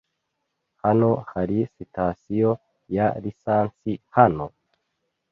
Hano hari sitasiyo ya lisansi hano?